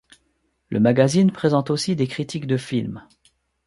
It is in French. Le magazine présente aussi des critiques de film.